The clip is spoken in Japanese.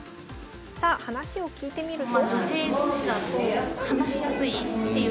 さあ話を聞いてみると。